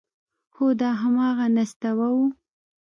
هو دا همغه نستوه و…